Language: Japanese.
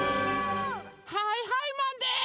はいはいマンです！